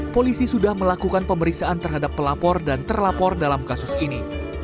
polisi sudah melakukan pemeriksaan terhadap pelapor dan terlapor dalam kasus ini